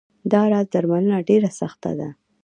دا راز درملنه ډېره سخته وه.